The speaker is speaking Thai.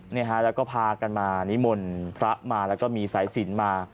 นี่ฮะแล้วก็พากันมานิมนต์พระมาแล้วก็มีสายสินมา